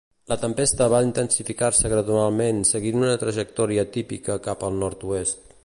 La tempesta va intensificar-se gradualment seguint una trajectòria atípica cap al nord-oest.